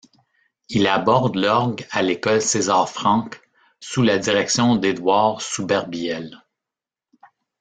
Il aborde l'orgue à l'école César Franck, sous la direction d'Édouard Souberbielle.